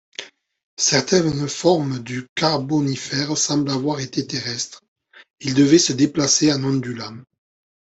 Certaines formes du Carbonifère semblent avoir été terrestres, ils devaient se déplacer en ondulant.